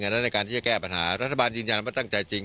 และในการที่จะแก้ปัญหารัฐบาลยืนยันว่าตั้งใจจริง